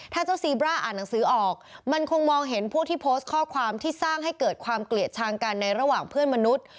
ถ้าเจ้าซีบร่าอ่านหนังสือออกมันคงมองเห็นพวกที่โพสต์ข้อความที่สร้างให้เกิดความเกลียดชังกันในระหว่างเพื่อนมนุษย์